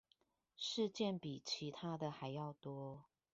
事件比其他的還要多